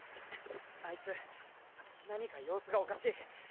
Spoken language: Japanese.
あいつ何か様子がおかしい